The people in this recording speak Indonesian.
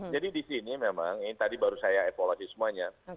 jadi di sini memang ini tadi baru saya evaluasi semuanya